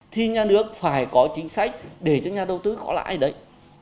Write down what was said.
thì nhà nước phải có chính sách để cho nhà đầu tư có lãi đấy